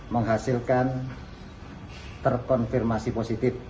menghasilkan terkonfirmasi positif